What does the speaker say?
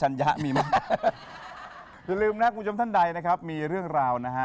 อย่าลืมนะคุณผู้ชมท่านใดนะครับมีเรื่องราวนะฮะ